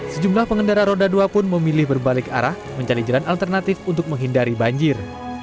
sejumlah pengendara roda dua pun memilih berbalik arah mencari jalan alternatif untuk menghindari banjir